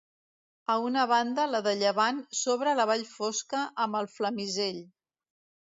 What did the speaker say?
A una banda, la de llevant, s'obre la Vall Fosca, amb el Flamisell.